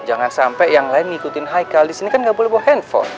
jangan sampe yang lain ngikutin haikal disini kan gak boleh bawa handphone